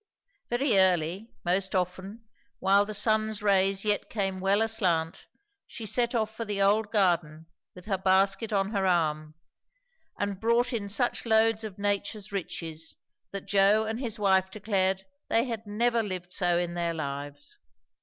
Very early, most often, while the sun's rays yet came well aslant, she set off for the old garden with her basket on her arm; and brought in such loads of nature's riches that Joe and his wife declared they had never lived so in their lives.